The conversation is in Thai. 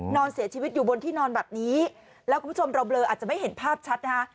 นอนเสียชีวิตอยู่บนที่นอนแบบนี้แล้วคุณผู้ชมเราเบลออาจจะไม่เห็นภาพชัดนะฮะ